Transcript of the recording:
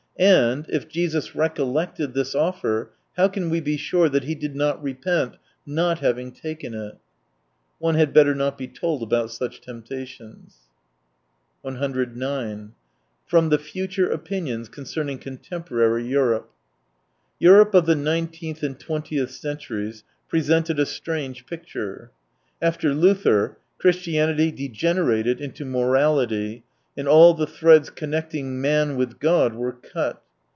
And, if Jesus recollected this offer, how can we be sure that He did not repent not having taken it ?... One had better not be told about such temptations. 109 From the Future Opinions concerning con temporary Europe" —" Europe of the nine teenth and twentieth centuries presented a strange picture. After Luther, Christianity degenerated into morality, and all the threads connecting man with God were cut.